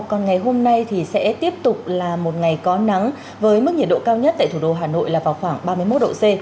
còn ngày hôm nay thì sẽ tiếp tục là một ngày có nắng với mức nhiệt độ cao nhất tại thủ đô hà nội là vào khoảng ba mươi một độ c